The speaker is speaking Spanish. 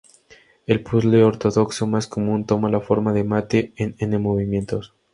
El puzzle ortodoxo más común toma la forma de mate en N movimientos.